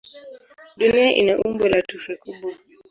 Dunia ina umbo la tufe kubwa.